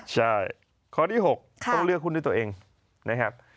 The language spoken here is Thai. ใช่ข้อที่๖ต้องเลือกหุ้นด้วยตัวเองนะครับ